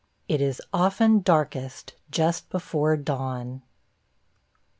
IT IS OFTEN DARKEST JUST BEFORE DAWN.